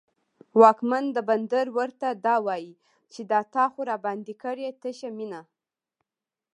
واکمن د بندر ورته دا وايي، چې دا تا خو رابار کړې تشه مینه